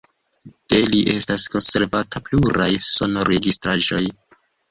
De li estas konservata pluraj sonregistraĵoj.